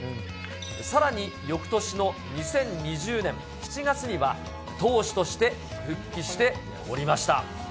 さらによくとしの２０２０年７月には、投手として復帰しておりました。